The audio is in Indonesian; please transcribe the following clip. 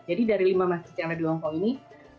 jadi dari lima masjid yang ada di hongkong ini